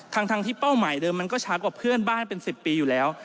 ทั้งที่เป้าหมายเดิมมันก็ช้ากว่าเพื่อนบ้านเป็น๑๐ปีอยู่แล้ว